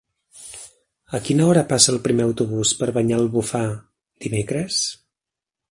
A quina hora passa el primer autobús per Banyalbufar dimecres?